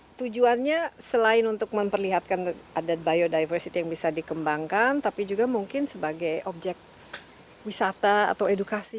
nah tujuannya selain untuk memperlihatkan ada biodiversity yang bisa dikembangkan tapi juga mungkin sebagai objek wisata atau edukasi